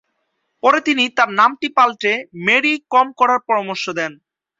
পরে তিনি তাঁর নামটি পাল্টে ম্যারি কম করার পরামর্শ দেন।